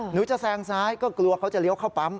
หนูจะแซงซ้ายก็กลัวเขาจะเลี้ยวเข้าปั๊ม